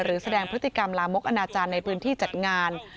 หรือแสดงพฤติกรรมลามกอนาจารย์ในพื้นที่จัดงาน